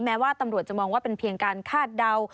แม้ว่าตำรวจจะมองว่าเป็นเพียงการคาดเดา